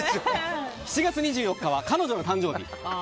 ７月２４日は彼女の誕生日。